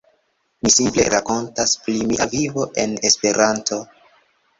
Mi simple rakontas pri mia vivo en Esperanto.